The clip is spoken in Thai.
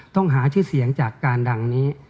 ต้องหาชื่อเสียงจากการดังนี้